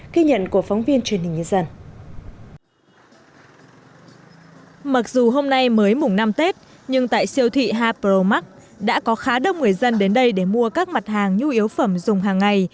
mặc dù hôm nay mới mùng năm tết nhưng tại siêu thị hapro max đã có khá đông người dân đến đây để mua các mặt hàng nhu yếu phẩm dùng hàng ngày